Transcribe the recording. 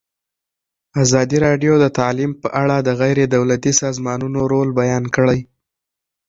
ازادي راډیو د تعلیم په اړه د غیر دولتي سازمانونو رول بیان کړی.